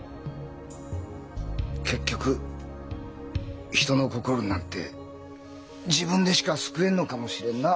結局人の心なんて自分でしか救えんのかもしれんな。